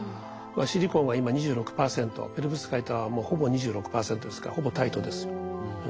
シリコンは今２６％ペロブスカイトはもうほぼ２６％ですからほぼ対等ですよ。